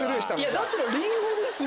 だったらりんごですよ！